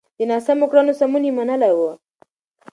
د ناسمو کړنو سمون يې منلی و.